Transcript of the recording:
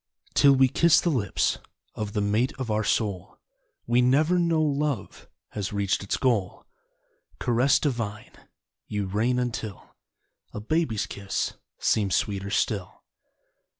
Till we kiss the lips Of the mate of our soul We never know Love Has reached its goal. Caress divine, You reign until A baby's kiss seems sweeter still.